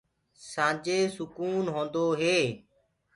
سآنجي سُڪون هوندو هي۔